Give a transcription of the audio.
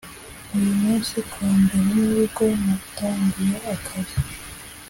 uyu munsi kuwa mbere nibwo natangiye akazi